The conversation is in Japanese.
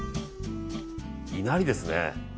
いなりですね。